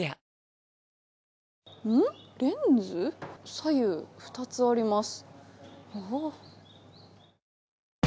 左右２つあります。